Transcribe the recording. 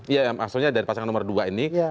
iya maksudnya dari pasangan nomor dua ini